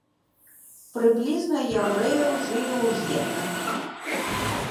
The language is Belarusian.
Прыблізна яўрэяў жылі ў гета.